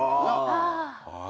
ああ。